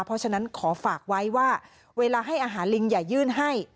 เพราะฉะนั้นขอฝากไว้ว่าเวลาให้อาหารลิงอย่ายื่นให้